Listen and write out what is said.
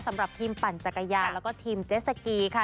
สำหรับทีมปั่นจักรยานแล้วก็ทีมเจสสกีค่ะ